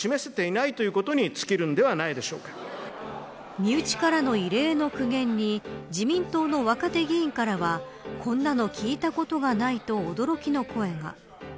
身内からの異例の苦言に自民党の若手議員からはこんなの聞いたことがないと驚きの声が。